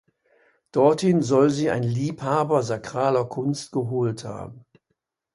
Dorthin soll sie ein „Liebhaber sakraler Kunst“ geholt haben.